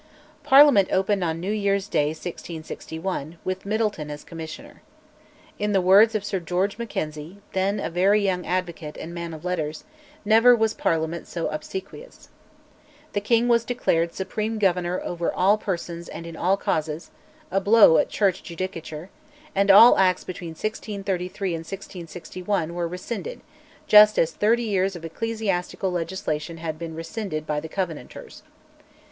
Parliament opened on New Year's Day 1661, with Middleton as Commissioner. In the words of Sir George Mackenzie, then a very young advocate and man of letters, "never was Parliament so obsequious." The king was declared "supreme Governor over all persons and in all causes" (a blow at Kirk judicature), and all Acts between 1633 and 1661 were rescinded, just as thirty years of ecclesiastical legislation had been rescinded by the Covenanters.